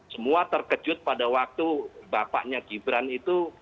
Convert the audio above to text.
semua terkejut pada waktu bapaknya gibran itu